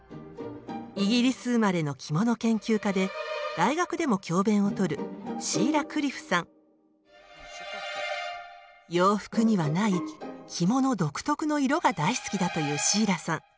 イギリス生まれの着物研究家で大学でも教べんをとる洋服にはない着物独特の色が大好きだというシーラさん。